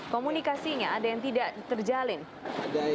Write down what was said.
komunikasinya ada yang tidak terjalin